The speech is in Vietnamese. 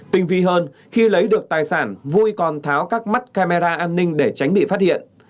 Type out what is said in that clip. tinh vi hơn khi lấy được tài sản vui còn tháo các mắt camera an ninh để tránh bị phát hiện